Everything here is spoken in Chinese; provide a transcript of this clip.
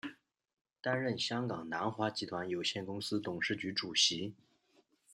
担任香港南华集团有限公司董事局主席。